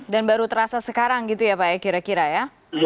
dan baru terasa sekarang gitu ya pak ya kira kira ya